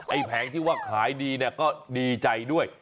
ไอ้แผงที่ว่าขายดีก็ดีใจด้วย